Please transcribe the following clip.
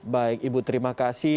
baik ibu terima kasih